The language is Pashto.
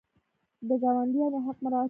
د ګاونډیانو حق مراعات کوئ؟